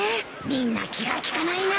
みんな気が利かないな。